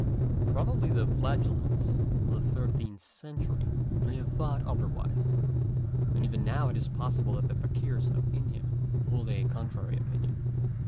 Probably the Flagellants of the thirteenth oentury may have thought otherwise. And even now it is possible that the Fakeers of India hold a contrary opinion.